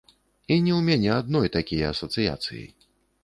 І не ў мяне адной такія асацыяцыі.